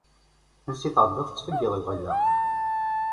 Ansi i tɛeddaḍ, tettfeggiḍ lɣella.